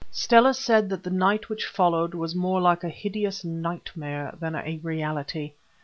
Stella said that the night which followed was more like a hideous nightmare than a reality.